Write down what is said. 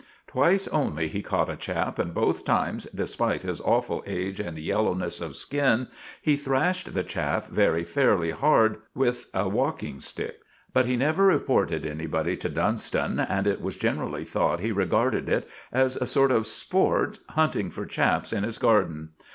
Twice only he caught a chap, and both times, despite his awful age and yellowness of skin, he thrashed the chap very fairly hard with a walking stick; but he never reported anybody to Dunston, and it was generally thought he regarded it as a sort of sport hunting for chaps in his garden.